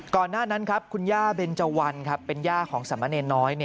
ก่อนหน้านั้นครับคุณย่าเบนเจาวันครับเป็นย่าของสัมเมณน้อย